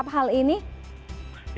bagaimana menangkap hal ini